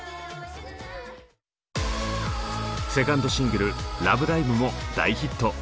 セカンドシングル「ＬＯＶＥＤＩＶＥ」も大ヒット。